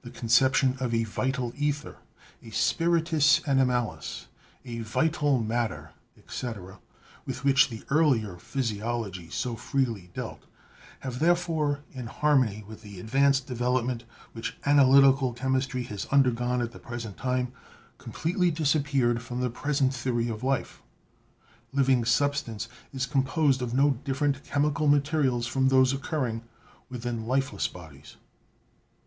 The conception of a "vital ether," THE NATURE OF LIFE 17 a "spiritus animalis," a "vital matter," etc., with which the earlier physiology so freely dealt, have, therefore, in harmony with the advanced development which analytical chemistry has undergone at the present time, completely disappeared from the present theory of life; living sub stance is composed of no different chemical materials from those occurring within lifeless bodies.